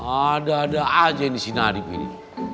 ada ada aja ini si narib ini